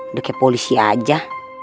udah kayak polisi aja